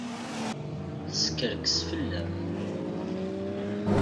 Teskerkes fell-am.